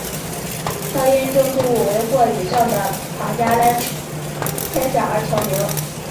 他因证出五维或以上的庞加莱猜想而成名。